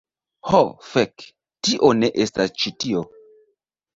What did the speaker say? Ho, fek', tio ne estas ĉi tio.